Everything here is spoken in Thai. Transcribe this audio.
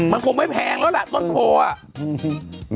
มันคงไม่แพงเค้าก็แหละต้นโพอ่ะ